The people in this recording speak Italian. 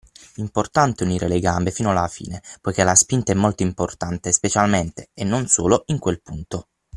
Importante unire le gambe fino alla fine, poichè la spinta è molto importante specialmente (e non solo) in quel punto.